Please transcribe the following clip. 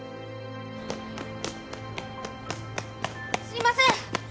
・すいません！